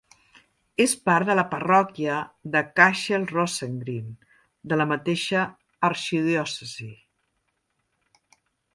És part de la parròquia de Cashel i Rosegreen de la mateixa arxidiòcesi.